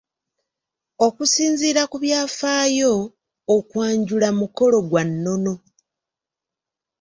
"Okusinziira ku byafaayo, okwanjula mukolo gwa nnono."